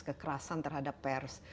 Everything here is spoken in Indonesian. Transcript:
kekerasan terhadap pers